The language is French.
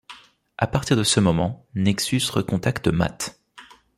À partir de ce moment, Nexus recontacte Matt.